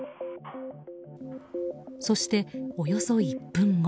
そして、およそ１分後。